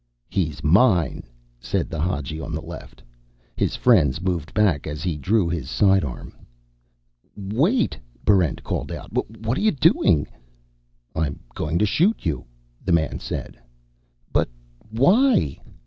"He's mine," said the Hadji on the left. His friends moved back as he drew his sidearm. "Wait!" Barrent called out. "What are you doing?" "I'm going to shoot you," the man said. "But why?"